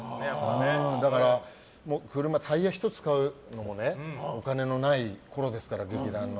だから、車、タイヤ１つ買うのもお金のないころですから劇団の。